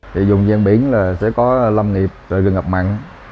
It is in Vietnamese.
vùng ven biển sẽ có lâm nghiệp rừng ngập mặn